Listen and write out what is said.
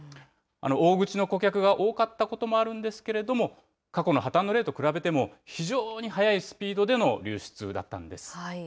大口の顧客が多かったこともあるんですけれども、過去の破綻の例と比べても、非常に速いスピードでの流出だったんです。